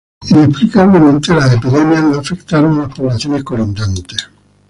Inexplicablemente, las epidemias no afectaron a las poblaciones colindantes.